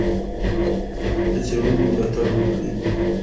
د څېړونکو ملاتړ وکړئ.